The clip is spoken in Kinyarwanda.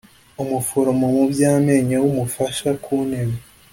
umuforomo mu by amenyo w umufasha ku ntebe